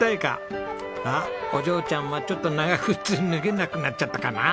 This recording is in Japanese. あっお嬢ちゃんはちょっと長靴脱げなくなっちゃったかな？